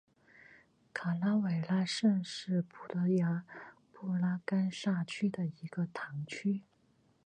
卡拉韦拉什是葡萄牙布拉干萨区的一个堂区。